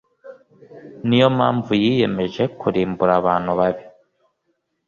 ni yo mpamvu yiyemeje kurimbura abantu babi